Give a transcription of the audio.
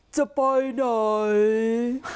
จะไปไหน